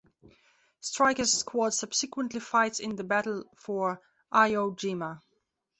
Stryker's squad subsequently fights in the battle for Iwo Jima.